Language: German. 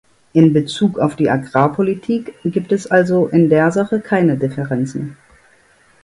In Bezug auf die Agrarpolitik gibt es also in der Sache keine Differenzen.